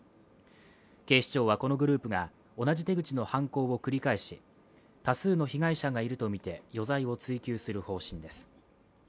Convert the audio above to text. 警視庁はこのグループが同じ手口の犯行を繰り返し多数の被害者がいるとみて余罪を追及する方針です。